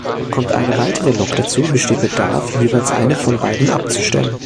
Kommt eine weitere Lok dazu, besteht Bedarf, jeweils eine von beiden abzustellen.